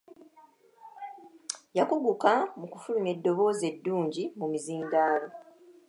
Yakuguka mu kufulumya eddoboozi eddungi mu mizindaalo.